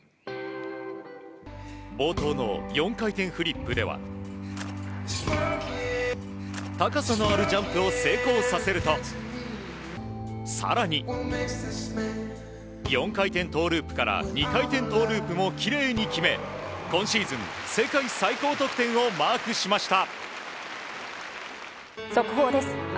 冒頭の４回転フリップでは高さのあるジャンプを成功させると、更に４回転トウループから２回転トウループもきれいに決め、今シーズン世界最高得点をマークしました。